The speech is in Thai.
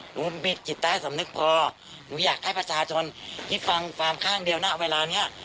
หนูฝีบทจิตตาสำนึกพอหนูอยากให้ประชาชนที่ฟังค่างเดียว้าวเเวลานี้